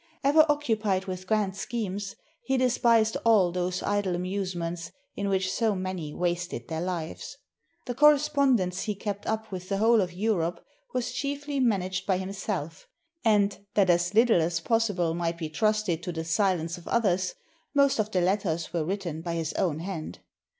Ever occupied with grand schemes, he despised all those idle amusements in which so many wasted their lives. The correspondence he kept up with the whole of Europe was chiefly managed by himself, and, that as little as possi ble might be trusted to the silence of others, most of the letters were written by his own hand.